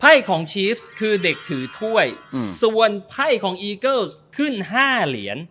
ไพ่ของชีฟซ์คือเด็กถือถ้วยอืมส่วนไพ่ของอีเกิ้ลส์ขึ้นห้าเหรียญ